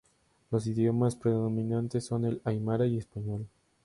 Los idiomas predominantes son el aymara y español.